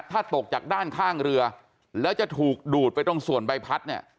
ถ้าตกจากด้านข้างเรือแล้วจะถูกดูดไปตรงส่วนใบพัดเนี่ย